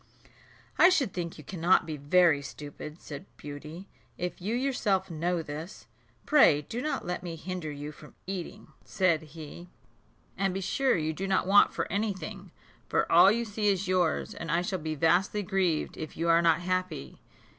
"I should think you cannot be very stupid," said Beauty, "if you yourself know this." "Pray do not let me hinder you from eating," said he; "and be sure you do not want for any thing; for all you see is yours, and I shall be vastly grieved if you are not happy."